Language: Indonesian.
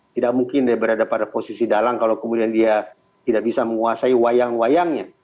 tidak mungkin dia berada pada posisi dalang kalau kemudian dia tidak bisa menguasai wayang wayangnya